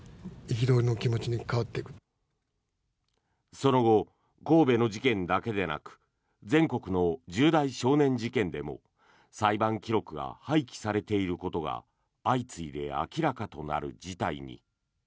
その後、神戸の事件だけでなく全国の重大少年事件でも裁判記録が廃棄されていることが相次いで明らかとなる事態に。